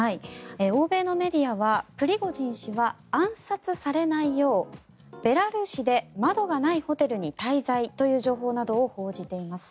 欧米のメディアはプリゴジン氏は暗殺されないようベラルーシで窓がないホテルに滞在という情報などを報じています。